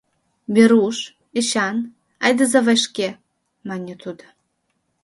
— Веруш, Эчан, айдыза вашке, — мане тудо.